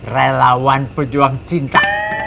relawan pejuang cinta